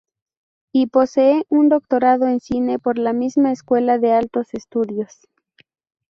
Y posee un doctorado en cine por la misma escuela de altos estudios.